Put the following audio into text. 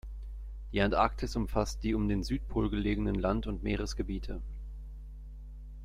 Die Antarktis umfasst die um den Südpol gelegenen Land- und Meeresgebiete.